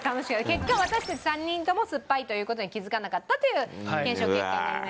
結果私たち３人ともすっぱいという事に気づかなかったという検証結果になりました。